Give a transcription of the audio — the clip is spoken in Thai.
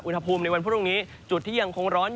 ในวันพรุ่งนี้จุดที่ยังคงร้อน